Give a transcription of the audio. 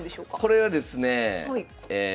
これはですねえ